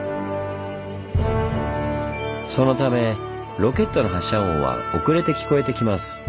そのためロケットの発射音は遅れて聞こえてきます。